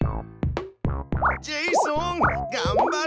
ジェイソンがんばれ！